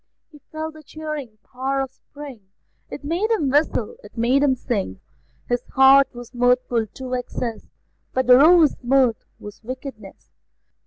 He felt the cheering power of spring; It made him whistle, it made him sing: His heart was mirthful to excess, But the Rover's mirth was wickedness.